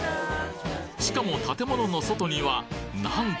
しかも建物の外にはなんと！